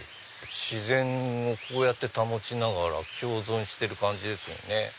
自然にこうやって保ちながら共存してる感じですよね。